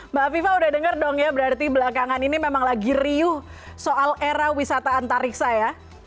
mbak afifah udah dengar dong ya berarti belakangan ini memang lagi riuh soal era wisata antariksa ya